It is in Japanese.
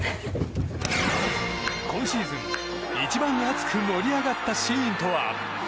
今シーズン一番熱く盛り上がったシーンとは？